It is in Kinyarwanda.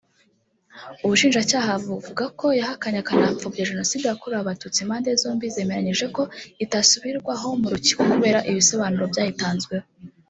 ubushinjacyaha buvuga ko yahakanye akanapfobya Jenoside yakorewe Abatutsi impande zombi zemeranyije ko itasubirwaho mu rukiko kubera ibisobanuro byayitanzweho